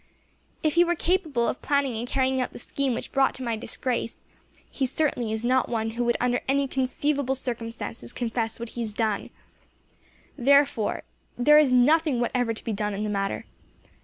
"If he were capable of planning and carrying out the scheme which brought about my disgrace, he certainly is not one who would under any conceivable circumstances confess what he has done. Therefore, there is nothing whatever to be done in the matter.